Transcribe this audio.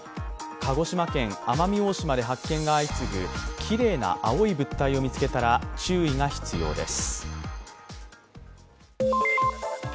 鹿児島県奄美大島で発見が相次ぐきれいな青い物体を見つけたら注意が必要です。